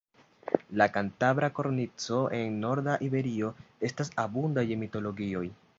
La Kantabra Kornico, en norda Iberio, estas abunda je mitologioj.